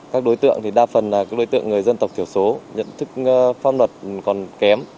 các đối tượng thì đa phần là đối tượng người dân tộc thiểu số nhận thức pháp luật còn kém